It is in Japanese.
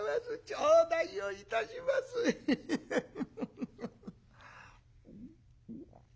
頂戴をいたします。ヘヘヘヘ」。